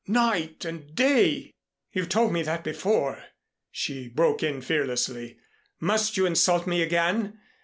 Night and day " "You've told me that before," she broke in fearlessly. "Must you insult me again.